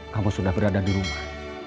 kamu sudah berada di rumah